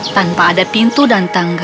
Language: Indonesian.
tanpa ada pintu dan tangga